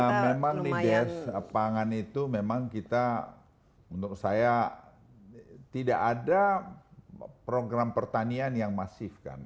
ya memang dides pangan itu memang kita menurut saya tidak ada program pertanian yang masif kan